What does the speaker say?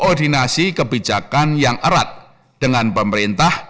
r nenek dan anak anak fantasy